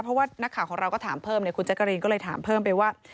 เพราะว่านักข่าวของเราก็ถามเพิ่มคุณแจ๊กกะรีนก็เลยถามเพิ่มไปว่า